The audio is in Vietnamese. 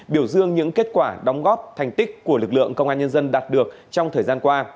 biểu dương những kết quả đóng góp thành tích của lực lượng công an nhân dân đạt được trong thời gian qua